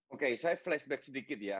oke saya flashback sedikit ya